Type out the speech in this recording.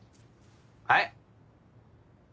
はい？